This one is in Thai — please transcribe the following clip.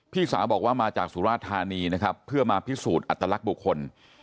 พี่สาวบอกว่ามาจากสุราธานีนะครับเพื่อมาพิสูจน์อัตลักษณ์บุคคล